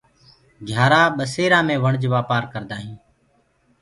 گھيآرآ ٻسيرآ مي وڻج وآپآر ڪردآ هينٚ۔